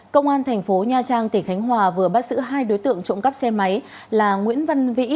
công an tp nha trang tp khánh hòa vừa bắt giữ hai đối tượng trộm cắp xe máy là nguyễn văn vĩ